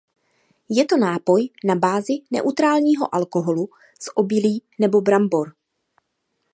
Je to nápoj na bázi neutrálního alkoholu z obilí nebo brambor.